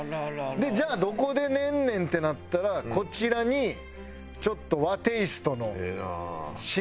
じゃあどこで寝んねん？ってなったらこちらにちょっと和テイストの寝室があって。